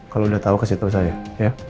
kalau udah tau kasih tau saya ya